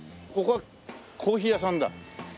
ここはコーヒー屋さんだ。